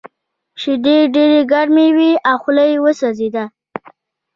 شیدې ډېرې ګرمې وې او خوله یې وسوځېده